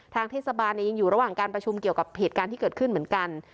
ทางเทศบาลยังอยู่ระหว่างการประชุมเกี่ยวกับเหตุการณ์ที่เกิดขึ้นเหมือนกัน